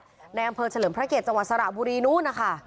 จังเฟิร์ดเฉลิมพระเกียรติจังหวัดสระบุรีนู้น